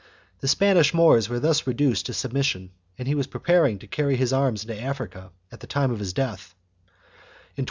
The Spanish Moors were thus reduced to submission and he was preparing to carry his arms into Africa at the time of his death, in 1252.